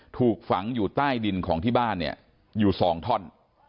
ถูกฝังอยู่ใต้ดินของที่บ้านเนี่ยอยู่๒ท่อน